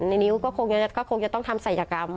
ในนิ้วก็คงจะต้องทำศัยกรรม